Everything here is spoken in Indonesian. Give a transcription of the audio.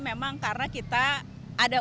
memang karena kita ada